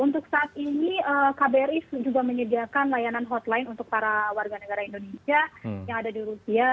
untuk saat ini kbri juga menyediakan layanan hotline untuk para warga negara indonesia yang ada di rusia